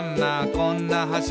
こんな橋」